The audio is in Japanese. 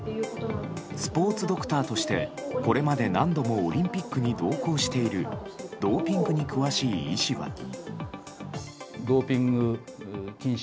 スポーツドクターとしてこれまで何度もオリンピックに同行しているドーピングに詳しい医師は。